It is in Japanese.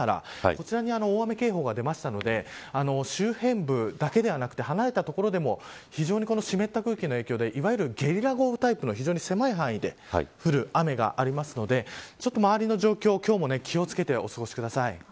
こちらに大雨警報が出ましたので周辺部だけではなくて離れた所でも非常に湿った空気の影響でいわゆるゲリラ豪雨タイプの非常に狭い範囲で降る雨があるので周りの状況を、今日も気を付けてお過ごしください。